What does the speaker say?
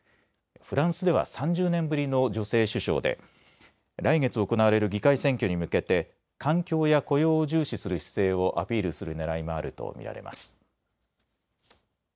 フランスでは３０年ぶりの女性首相で来月行われる議会選挙に向けて環境や雇用を重視する姿勢をアピールするねらいもあると見られます。